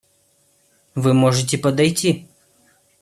Вы можете подойти.